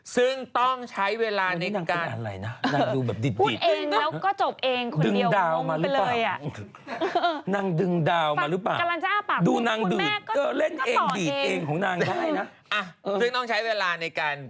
ซึ่งต้องใช้เวลาเรื่องการ